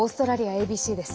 ＡＢＣです。